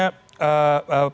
pak hasto kami konfirmasi uangnya